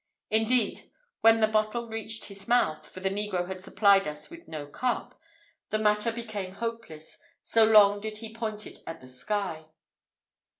Indeed, when the bottle reached his mouth (for the negro had supplied us with no cup), the matter became hopeless, so long did he point it at the sky.